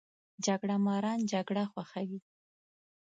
جګړه ماران جګړه خوښوي